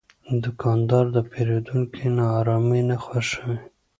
دوکاندار د پیرودونکي ناارامي نه خوښوي.